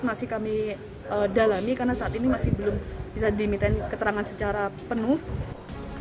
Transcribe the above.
masih kami dalami karena saat ini masih belum bisa diminta keterangan secara penuh